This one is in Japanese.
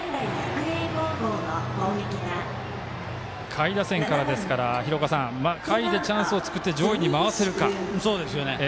下位打線からですから下位でチャンスを作って上位に回せるか。